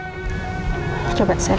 institution tityo hadir di baguindang